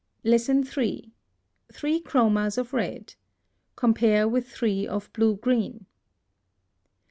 3. THREE CHROMAS of RED. Compare with three of blue green.